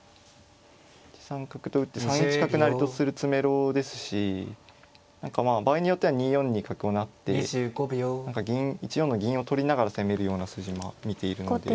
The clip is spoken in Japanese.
１三角と打って３一角成とする詰めろですし何かまあ場合によっては２四に角を成って１四の銀を取りながら攻めるような筋まあ見ているので。